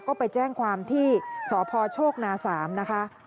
ก็ไปแจ้งความที่สพโชคนา๓นะคะ